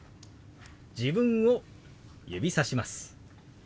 自分を指さします。